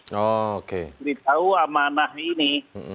diteritahu amanah ini